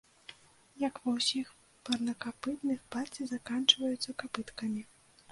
Як ва ўсіх парнакапытных, пальцы заканчваюцца капыткамі.